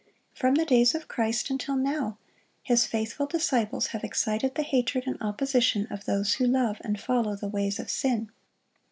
From the days of Christ until now, His faithful disciples have excited the hatred and opposition of those who love and follow the ways of sin.